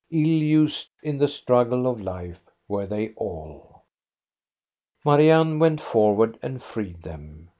Ill used in the struggle of life were they all. Marianne went forward and freed them.